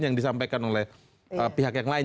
yang disampaikan oleh pihak yang lain